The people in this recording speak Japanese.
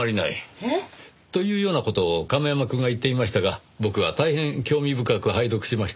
えっ？というような事を亀山くんは言っていましたが僕は大変興味深く拝読しましたよ。